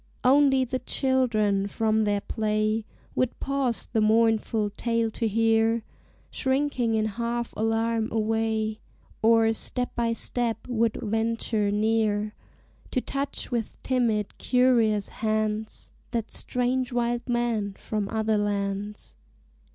Only the children from their play Would pause the mournful tale to hear, Shrinking in half alarm away, Or, step by step, would venture near To touch with timid curious hands That strange wild man from other lands.